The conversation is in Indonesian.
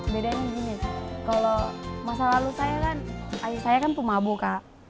bedanya gini kalau masa lalu saya kan pemabuk